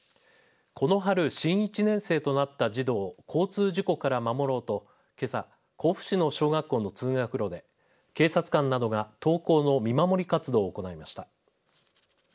この春、新１年生となった児童を交通事故から守ろうとけさ甲府市の小学校の通学路で警察官などが登校の見守り活動を行いました。